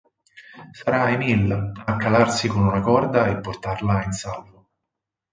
Sarà Emile a calarsi con una corda e portarla in salvo.